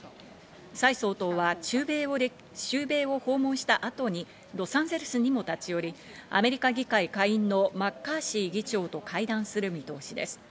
サイ総統は中米を訪問した後にロサンゼルスにも立ち寄り、アメリカ議会下院のマッカーシー議長と会談する見通しです。